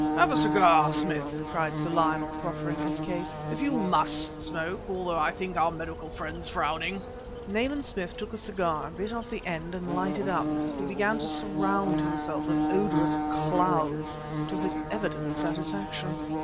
"Have a cigar, Smith!" cried Sir Lionel, proffering his case "if you must smoke; although I think our medical friends frowning!" Nayland Smith took a cigar, bit off the end, and lighted up. He began to surround himself with odorous clouds, to his evident satisfaction.